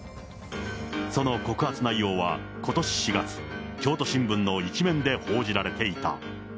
その告白内容はことし４月、京都新聞の１面で報じられていた。